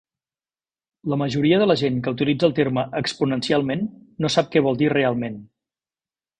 La majoria de la gent que utilitza el terme "exponencialment" no sap què vol dir realment.